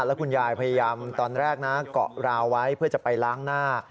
แล้วคุณยายพยายามตอนแรกนะเกาะราวไว้เพื่อจะไปล้างหน้า